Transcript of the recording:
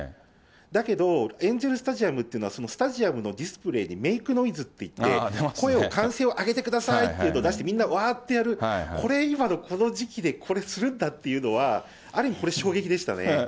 だけど、エンジェルスタジアムというのは、スタジアムのディスプレーで、メイクノイズっていって、声を歓声を上げてくださいっていうと、出して、みんなわーってやる、これ、今の時期でこれするんだっていうのは、ある意味、これ衝撃でしたね。